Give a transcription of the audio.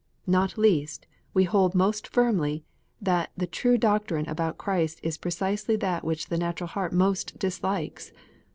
Not least, we hold most firmly that the true doctrine about Christ is precisely that which the natural heart most dislikes.